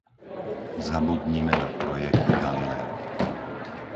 Zabudnime na projekt Galileo.